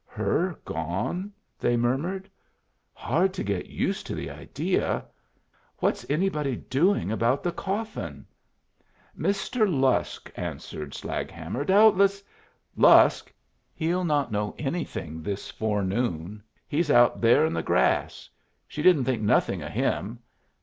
"Her gone!" they murmured. "Hard to get used to the idea. What's anybody doing about the coffin?" "Mr. Lusk," answered Slaghammer, "doubtless " "Lusk! He'll not know anything this forenoon. He's out there in the grass. She didn't think nothing of him.